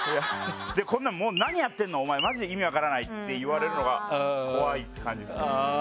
何やってんのお前マジで意味分からないって言われるのが怖いって感じです。